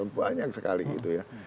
banyak sekali gitu ya